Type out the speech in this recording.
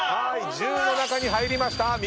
１０の中に入りました。